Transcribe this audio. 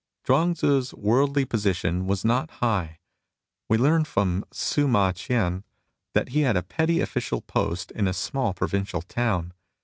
Chuang Tzu's worldly position was not high. We learn from Ssu ma Ch'ien that he held a petty official post in a small provincial town.